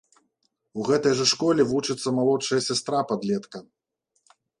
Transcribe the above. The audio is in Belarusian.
У гэтай жа школе вучыцца малодшая сястра падлетка.